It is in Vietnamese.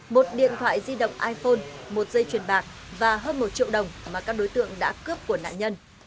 một điện thoại di động iphone một dây chuyền bạc và hơn một triệu đồng mà các đối tượng đã cướp của nạn nhân